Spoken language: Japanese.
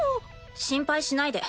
心配しないで。